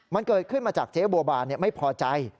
มันเกิดขึ้นมาจากเจ๊บัวบานไม่พอใจ